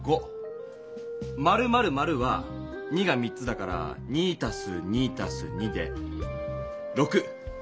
○○○は２が３つだから２＋２＋２で６。